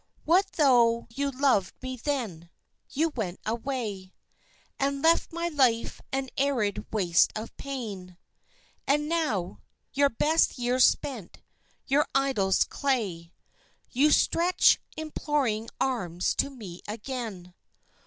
What tho' you loved me then? You went away And left my life an arid waste of pain; And now your best years spent, your idols clay You stretch imploring arms to me again.